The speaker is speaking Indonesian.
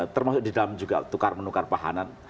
termasuk di dalam juga tukar menukar pahanan